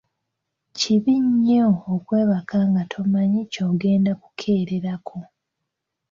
Kibi nnyo okwebaka nga tomanyi ky'ogenda kukeererako.